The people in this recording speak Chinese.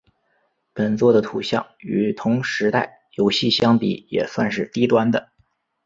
本作的图像与同时代游戏相比也算是低端的。